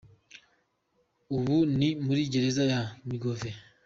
Ubu ari muri Gereza ya Miyove.